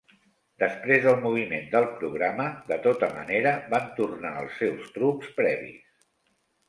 Després del moviment del programa, de tota manera, van tornar als seus trucs previs.